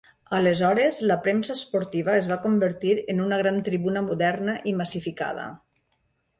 Aleshores la premsa esportiva es va convertir en una gran tribuna moderna i massificada.